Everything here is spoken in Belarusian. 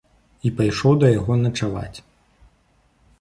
І пайшоў да яго начаваць.